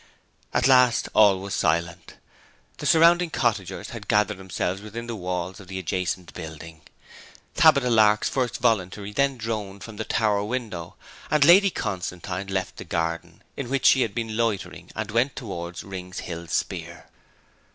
At last all was silent; the surrounding cottagers had gathered themselves within the walls of the adjacent building. Tabitha Lark's first voluntary then droned from the tower window, and Lady Constantine left the garden in which she had been loitering, and went towards Rings Hill Speer.